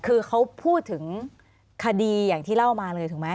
คือเขาพูดถึงคดีอย่างที่เล่ามาเลยถูกไหม